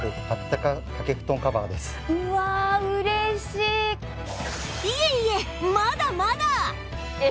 いえいえまだまだ！